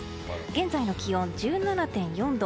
現在の気温、１７．４度。